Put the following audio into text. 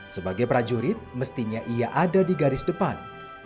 sebagai prajurit mestinya ia ada di garis depan